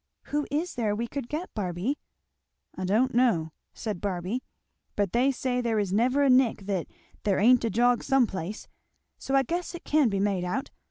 "Who is there we could get, Barby?" "I don't know," said Barby; "but they say there is never a nick that there ain't a jog some place; so I guess it can be made out.